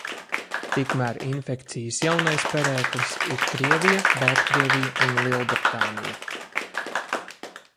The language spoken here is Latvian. Tikmēr infekcijas jaunais perēklis ir Krievija, Baltkrievija un Lielbritānija.